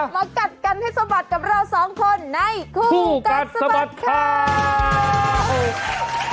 กัดกันให้สะบัดกับเราสองคนในคู่กัดสะบัดข่าว